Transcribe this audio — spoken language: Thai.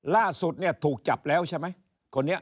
ล่าสุดถูกจับแล้วใช่ไหม